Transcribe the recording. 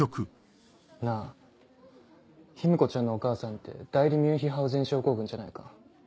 なぁ姫子ちゃんのお母さんって代理ミュンヒハウゼン症候群じゃないか？